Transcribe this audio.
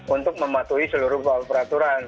untuk mematuhi seluruh peraturan